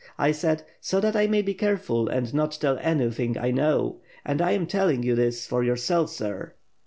1 said, 'So that I may be careful and not tell any thing I know — and I am telling you this for yourself, sir.'